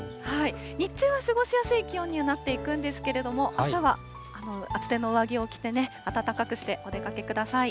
日中は過ごしやすい気温にはなっていくんですけれども、朝は厚手の上着を着てね、暖かくしてお出かけください。